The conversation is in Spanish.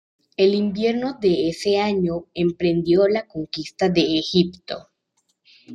En el invierno de ese año, emprendió la conquista de Egipto.